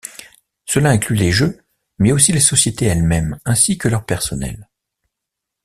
Cela inclut les jeux, mais aussi les sociétés elles-mêmes ainsi que leur personnel.